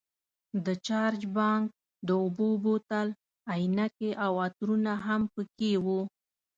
د چارج بانک، د اوبو بوتل، عینکې او عطرونه هم پکې وو.